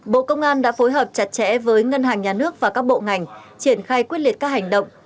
bộ công an đã phối hợp chặt chẽ với ngân hàng nhà nước và các bộ ngành triển khai quyết liệt các hành động